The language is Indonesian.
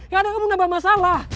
yaudah kamu nambah masalah